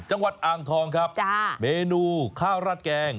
จังหวัดอ่างทองครับเมนูข้าวราดแกง